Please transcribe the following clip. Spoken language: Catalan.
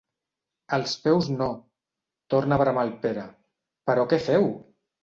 Els peus no! —torna a bramar el Pere— Però què feu?